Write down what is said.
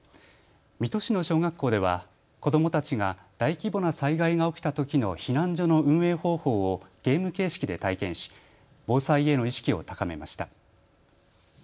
水戸市の小学校では子どもたちが大規模な災害が起きたときの避難所の運営方法をゲーム形式で体験し、防災への意識を高めました。